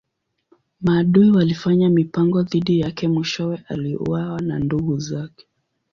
Maadui walifanya mipango dhidi yake mwishowe aliuawa na ndugu zake.